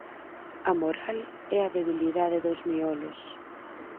A moral é a debilidade dos miolos.